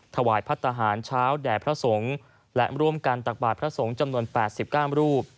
ถวายพัฒนาหารเช้าแด่พระสงฆ์และร่วมกันตักบาทพระสงฆ์จำนวน๘๙รูป